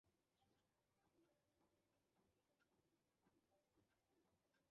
এই স্কুলে পোষা প্রাণী নিষিদ্ধ!